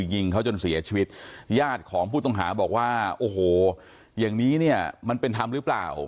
ยิงเขาจนเสียชีวิตญาติของผู้ต้องหาบอกว่าโอ้โหอย่างนี้เนี่ยมันเป็นธรรมหรือเปล่า